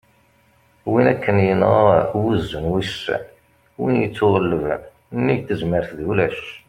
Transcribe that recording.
win akken yenɣa "wuzzu n wissen", win ittuɣellben : nnig tezmert d ulac